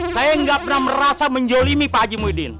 saya nggak pernah merasa menjolimi pak aji muhyiddin